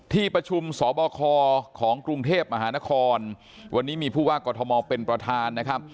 ที่ประชุมสบคของกรุงเทพมหานครวันนี้มีผู้ว่ากอทมเป็นประธานนะครับ